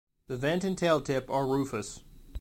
The vent and tail-tip are rufous.